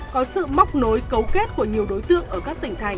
có sự móc nối cấu kết của nhiều đối tượng ở các tỉnh thành